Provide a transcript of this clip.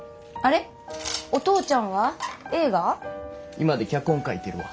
居間で脚本書いてるわ。